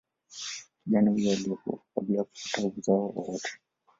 Kijana huyo aliyekufa kabla ya kupata uzao wowote